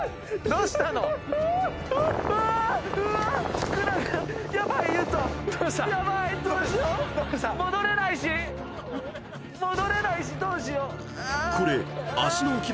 どうした⁉木！